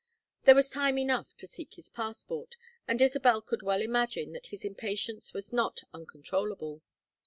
There was time enough to seek his passport, and Isabel could well imagine that his impatience was not uncontrollable.